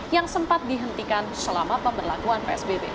yang sempat dihentikan selama pemberlakuan psbb